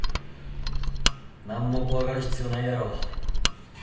何も怖がる必要ないやろ。